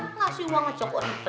ngasih uang aja kok